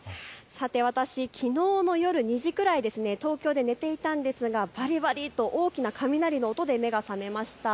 さて私きのうの夜２時くらい、東京で寝ていたんですがバリバリと大きな雷の音で目が覚めました。